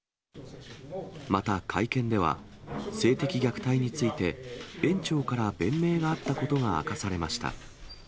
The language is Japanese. また会見では、性的虐待について、園長から弁明があったことが明かされました。